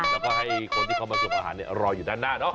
แล้วก็ให้คนที่เข้ามาส่งอาหารรออยู่ด้านหน้าเนาะ